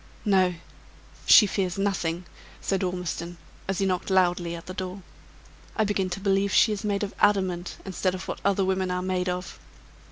"No; she fears nothing," said Ormiston, as he knocked loudly at the door. "I begin to believe she is made of adamant instead of what other women are made of."